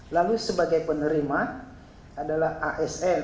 lalu sebagai penerima adalah asn